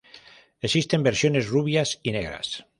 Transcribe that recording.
Existen versiones rubias y negras.